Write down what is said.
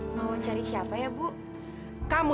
nggak tahu bu